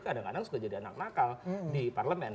kadang kadang suka jadi anak nakal di parlemen